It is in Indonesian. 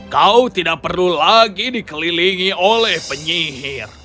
kau tidak perlu lagi dikelilingi oleh penyihir